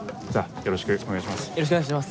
よろしくお願いします！